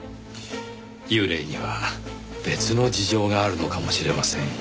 幽霊には別の事情があるのかもしれませんよ。